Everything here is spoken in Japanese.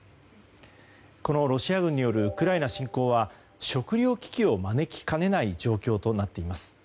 ロシア軍によるウクライナ侵攻は食糧危機を招きかねない状況となっています。